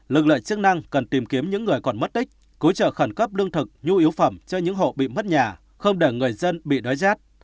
lực lượng chức năng cần tìm kiếm những người còn mất tích cứu trợ khẩn cấp lương thực nhu yếu phẩm cho những hộ bị mất nhà không để người dân bị đói rét